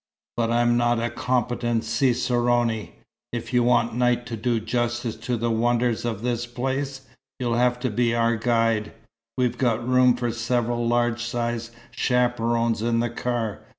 "But I'm not a competent cicerone. If you want Knight to do justice to the wonders of this place, you'll have to be our guide. We've got room for several large sized chaperons in the car.